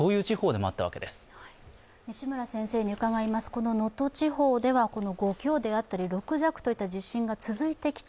この能登地方では５強であったり６弱といった地震が続いてきた、